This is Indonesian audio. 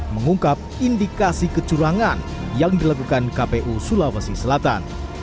mengungkap indikasi kecurangan yang dilakukan kpu sulawesi selatan